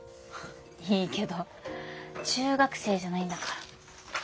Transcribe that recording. いいけど中学生じゃないんだから。